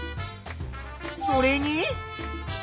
それに？